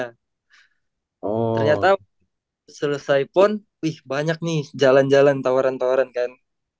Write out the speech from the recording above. ternyata selesai pon wih banyak nih jalan jalan tawaran tawaran kan